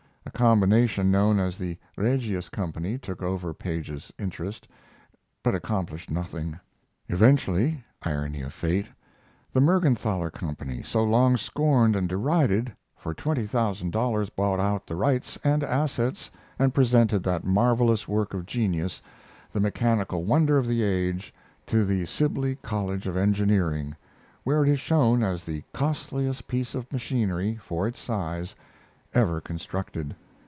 A combination known as the Regius Company took over Paige's interest, but accomplished nothing. Eventually irony of fate the Mergenthaler Company, so long scorned and derided, for twenty thousand dollars bought out the rights and assets and presented that marvelous work of genius, the mechanical wonder of the age, to the Sibley College of Engineering, where it is shown as the costliest piece of machinery, for its size, ever constructed.